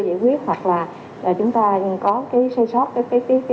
giải quyết hoặc là chúng ta có cái xây sót cái tiết xây sót thì chúng ta sẽ tiếp tục giải quyết